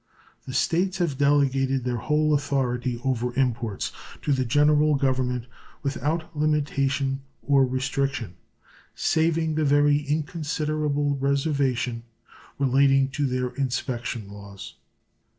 The States have delegated their whole authority over imports to the General Government without limitation or restriction, saving the very inconsiderable reservation relating to their inspection laws.